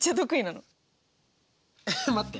待って。